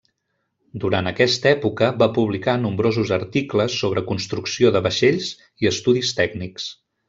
Durant aquesta època va publicar nombrosos articles sobre construcció de vaixells i estudis tècnics.